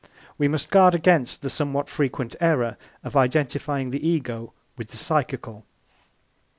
We must guard against the somewhat frequent error of identifying the Ego with the psychical.